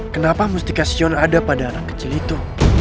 kenapa mustikasion ada pada anak kecil itu